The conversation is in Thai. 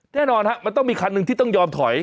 แน่นอนฮะมันต้องมีคันหนึ่งที่ต้องยอมถอย